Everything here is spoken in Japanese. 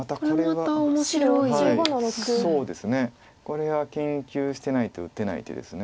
これは研究してないと打てない手です。